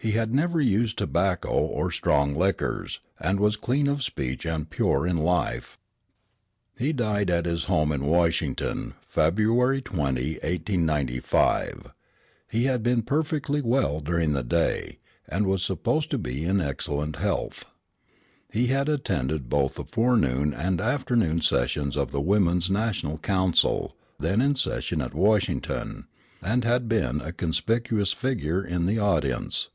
He had never used tobacco or strong liquors, and was clean of speech and pure in life. He died at his home in Washington, February 20, 1895. He had been perfectly well during the day, and was supposed to be in excellent health. He had attended both the forenoon and afternoon sessions of the Women's National Council, then in session at Washington, and had been a conspicuous figure in the audience.